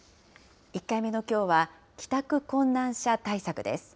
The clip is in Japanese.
１回目のきょうは、帰宅困難者対策です。